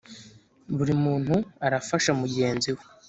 Buri muntu arafasha mugenzi we,